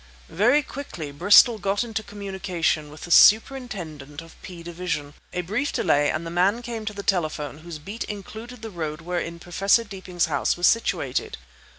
Very quickly Bristol got into communication with the superintendent of P Division. A brief delay, and the man came to the telephone whose beat included the road wherein Professor Deeping's house was situated.